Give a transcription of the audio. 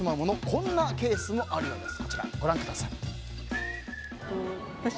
こんなケースもあるようです。